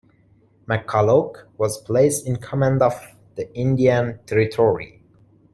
McCulloch was placed in command of the Indian Territory.